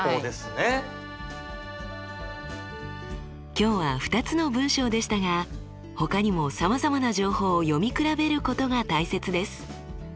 今日は２つの文章でしたがほかにもさまざまな情報を読み比べることが大切です。